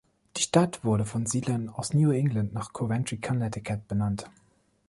Die Stadt wurde von Siedlern aus New England nach Coventry, Connecticut benannt.